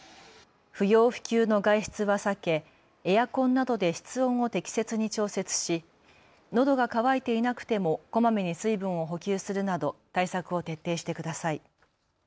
不要不急の外出は避けエアコンなどで室温を適切に調節しのどが渇いていなくてもこまめに水分を補給するなど対策を徹底してください。